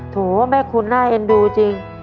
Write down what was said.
ถูกหว่าแม่คุณน่าเอ็นดูจริง